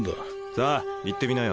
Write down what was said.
さぁ言ってみなよ